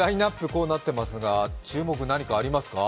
こうなってますが注目何かありますか？